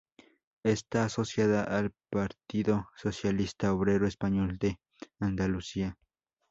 Está asociada al Partido Socialista Obrero Español de Andalucía.